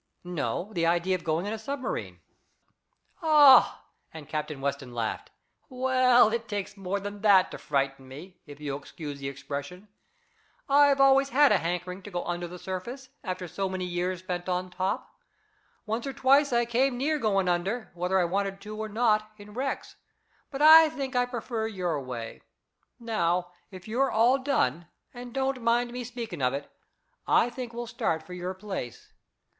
"No, the idea of going in a submarine." "Oh," and Captain Weston laughed. "Well, it takes more than that to frighten me, if you'll excuse the expression. I've always had a hankering to go under the surface, after so many years spent on top. Once or twice I came near going under, whether I wanted to or not, in wrecks, but I think I prefer your way. Now, if you're all done, and don't mind me speaking of it, I think we'll start for your place.